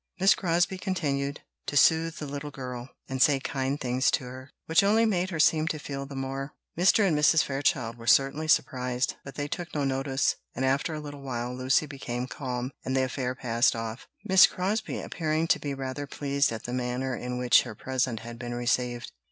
Miss Crosbie continued to soothe the little girl, and say kind things to her, which only made her seem to feel the more. Mr. and Mrs. Fairchild were certainly surprised, but they took no notice; and after a little while Lucy became calm, and the affair passed off, Miss Crosbie appearing to be rather pleased at the manner in which her present had been received.